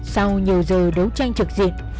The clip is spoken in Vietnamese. sau nhiều giờ đấu tranh trực diệt